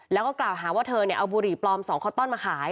แล้วก็กล่าวหาว่าเธอเอาบุหรี่ปลอม๒คอต้อนมาขาย